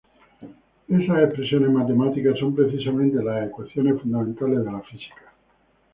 Esas expresiones matemáticas son precisamente las ecuaciones fundamentales de la física.